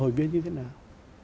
hội viên như thế nào